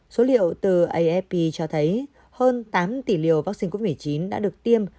số liệu từ afp cho thấy hơn tám tỷ liều vaccine covid một mươi chín đã được tiêm